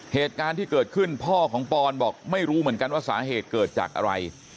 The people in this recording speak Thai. เหตุการณ์ที่เกิดขึ้นพ่อของปอนบอกไม่รู้เหมือนกันว่าสาเหตุเกิดจากอะไร